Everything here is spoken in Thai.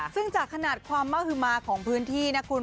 ซึ่งจากขนาดความม่าฮือมาของพื้นที่นะคุณ